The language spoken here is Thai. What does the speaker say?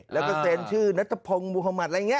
แล้วก็เซ็นชื่อนัตภพมุหมาตรอะไรอย่างนี้